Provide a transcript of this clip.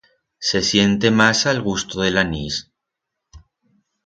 Se siente masa el gusto de l'anís.